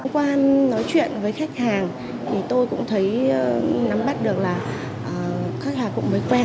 qua nói chuyện với khách hàng thì tôi cũng thấy nắm bắt được là khách hàng cũng mới quen